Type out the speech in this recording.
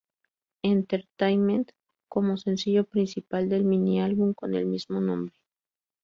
Entertainment, como sencillo principal del mini-álbum con el mismo nombre.